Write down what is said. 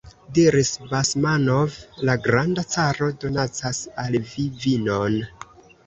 diris Basmanov: la granda caro donacas al vi vinon!